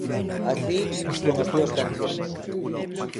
Así son as túas cancións.